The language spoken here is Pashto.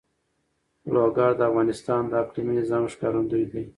لوگر د افغانستان د اقلیمي نظام ښکارندوی ده.